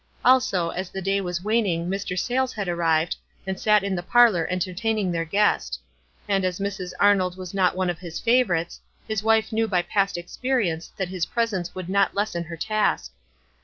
Also, as the day was waning Mr. Sayles had arrived, and sat in the parlor enter taining their guest ; and as Mrs. Arnold was not one of his favorites, his wife knew by past ex perience that his presence would not lessen her 166 WISE AND OTHERWISE. task.